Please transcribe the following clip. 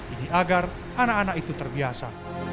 ini agar anak anak itu terbiasa